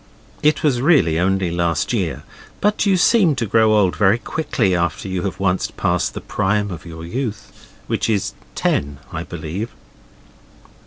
It was really only last year, but you seem to grow old very quickly after you have once passed the prime of your youth, which is at ten, I believe.